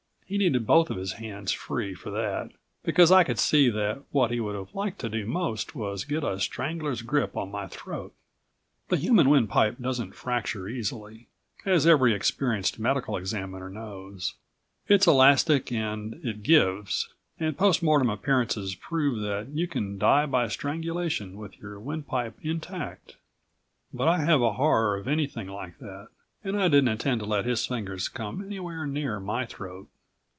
He needed both of his hands free for that, because I could see that what he would have liked to do most was get a strangler's grip on my throat. The human windpipe doesn't fracture easily, as every experienced medical examiner knows. It's elastic and it gives, and post mortem appearances prove that you can die by strangulation with your windpipe intact. But I have a horror of anything like that, and I didn't intend to let his fingers come anywhere near my throat.